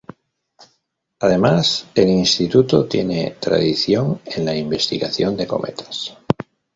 Además, el Instituto tiene tradición en la investigación de cometas.